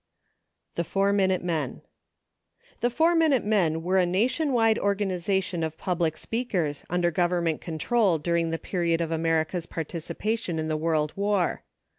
53 THE FOUR MINUTE MEN The Four Minute Men were a nation wide organiza tion of public speakers under Government control dur ing the period of America's participation in the World War.